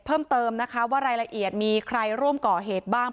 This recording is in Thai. เพิ่มเติมนะคะว่ารายละเอียดมีใครร่วมก่อเหตุบ้าง